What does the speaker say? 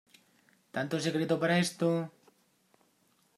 ¿ tanto secreto para esto?